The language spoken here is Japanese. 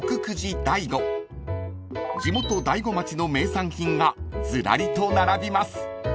［地元大子町の名産品がずらりと並びます］